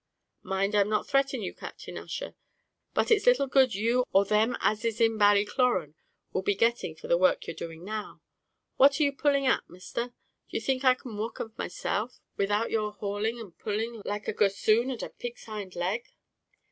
Mind I am not threatening you, Captain Ussher, but it's little good you or them as is in Ballycloran will be getting for the work you're now doing What are you pulling at, misther'? D'ye think I can't walk av myself, without your hauling and pulling like a gossoon at a pig's hind leg."